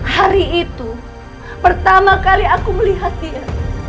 hari itu pertama kali aku melihat dia